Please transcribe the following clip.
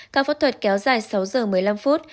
ca phẫu thuật kéo dài sáu giờ một mươi năm phút